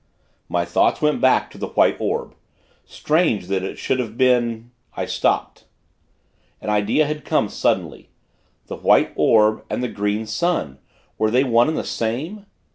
My thoughts went back to the White Orb. Strange, that it should have been I stopped. An idea had come, suddenly. The White Orb and the Green Sun! Were they one and the same?